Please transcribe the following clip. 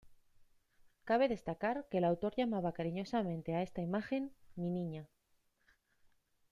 Cabe destacar que el autor llamaba cariñosamente a esta imagen "Mi Niña".